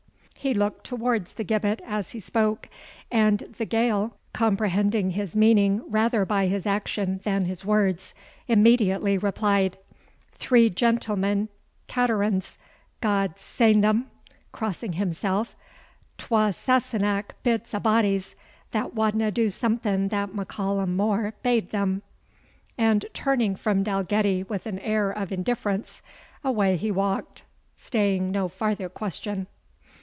He looked towards the gibbet as he spoke; and the Gael, comprehending his meaning rather by his action than his words, immediately replied, "Three gentlemen caterans, God sain them," (crossing himself) "twa Sassenach bits o' bodies, that wadna do something that M'Callum More bade them;" and turning from Dalgetty with an air of indifference, away he walked, staying no farther question.